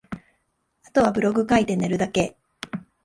後はブログ書いて寝るだけ